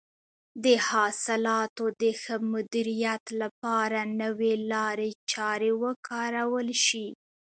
د حاصلاتو د ښه مدیریت لپاره نوې لارې چارې وکارول شي.